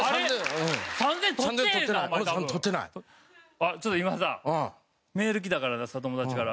あっちょっと今さメール来たからさ友達から。